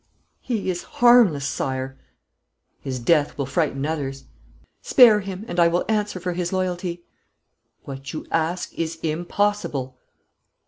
'He is harmless, Sire.' 'His death will frighten others.' 'Spare him and I will answer for his loyalty.' 'What you ask is impossible.'